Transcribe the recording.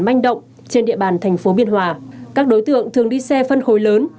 manh động trên địa bàn thành phố biên hòa các đối tượng thường đi xe phân khối lớn